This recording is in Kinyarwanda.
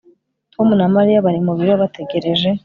Tom na Mariya bari mu biro bategereje